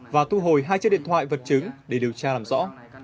và thu hồi hai chiếc điện thoại vật chứng để điều tra làm rõ